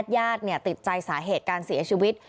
ญาติติดใจสาเหตุการเสียชีวิต